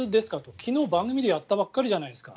昨日、番組でやったばかりじゃないですか。